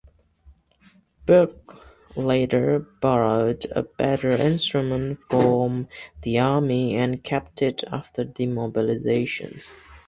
Bilk later borrowed a better instrument from the army and kept it after demobilisation.